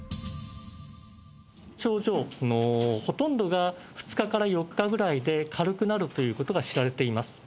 症状のほとんどが２日から４日ぐらいで軽くなるということが知られています。